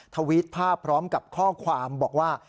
ทวิตภาพพร้อมกับข้อความบอกว่า